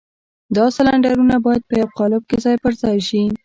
دا سلنډرونه بايد په يوه قالب کې ځای پر ځای شي.